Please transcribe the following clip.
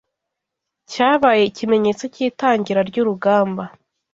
Cyabaye ikimenyetso cy’itangira ry’urugamba